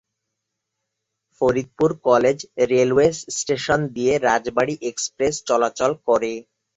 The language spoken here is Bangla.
ফরিদপুর কলেজ রেলওয়ে স্টেশন দিয়ে রাজবাড়ী এক্সপ্রেস চলাচল করে।